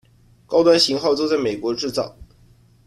高端型号都在美国制造。